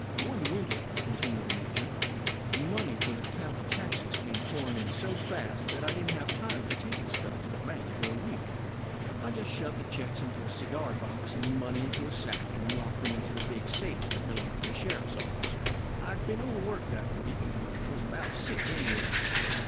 "One winter," continued the major, "the money for the county taxes came pouring in so fast that I didn't have time to take the stuff to the bank for a week. I just shoved the checks into a cigar box and the money into a sack, and locked them in the big safe that belonged to the sheriff's office. "I had been overworked that week, and was about sick, anyway.